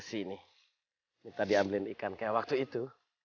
sini kita diambil ikan kayak waktu itu